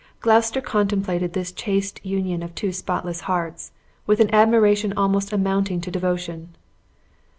Gloucester contemplated this chaste union of two spotless hearts, with an admiration almost amounting to devotion.